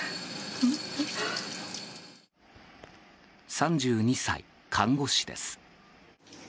３２歳、看護師です。